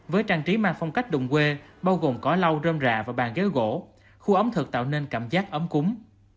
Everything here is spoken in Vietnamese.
với trang trí mang phong cách đồng quê bao gồm cỏ lau rơm rạ và bàn ghế gỗ khu ẩm thực tạo nên cảm giác ấm cúng